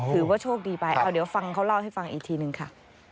ถือว่าโชคดีไปเอาเดี๋ยวฟังเขาเล่าให้ฟังอีกทีนึงค่ะ